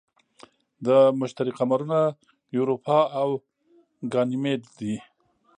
د مشتری قمرونه یوروپا او ګانیمید دي.